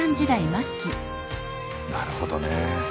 なるほどね。